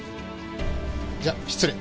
じゃ失礼。